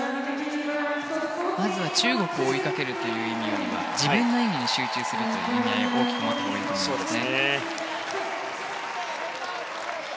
まずは中国を追いかけるというよりも自分の演技に集中するという意味合いを大きく持ったほうがいいと思います。